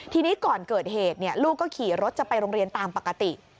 ทีนี้ก่อนเกิดเหตุลูกก็ขี่รถจะไปโรงเรียนตามปกติ